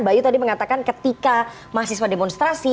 mbak yu tadi mengatakan ketika mahasiswa demonstrasi